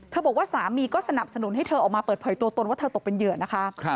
บอกว่าสามีก็สนับสนุนให้เธอออกมาเปิดเผยตัวตนว่าเธอตกเป็นเหยื่อนะคะ